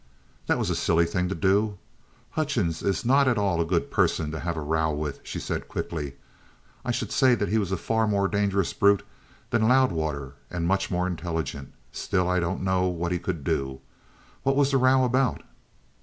"That was a silly thing to do. Hutchings is not at all a good person to have a row with," she said quickly. "I should say that he was a far more dangerous brute than Loudwater and much more intelligent. Still, I don't know what he could do. What was the row about?"